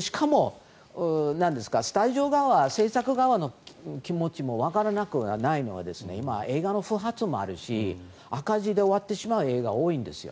しかも、スタジオ側制作側の気持ちもわからなくはないのは今、映画の不発もあるし赤字で終わってしまう映画が多いんですよ。